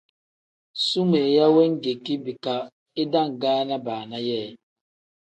Sumeeya wengeki bika idangaana baana yee.